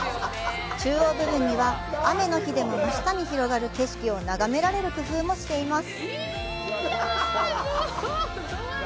中央部分には、雨の日でも真下に広がる景色が眺められる工夫もしています。